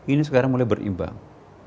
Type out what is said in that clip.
ini sekarang mulai berimbang